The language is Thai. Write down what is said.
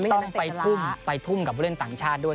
ไม่อย่างนั้นตั้งแต่จาระต้องไปทุ่มไปทุ่มกับเวลาเล่นต่างชาติด้วย